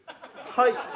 はい！